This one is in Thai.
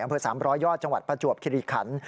อำเภอ๓๐๐ยอดจังหวัดประจวบคิริขัน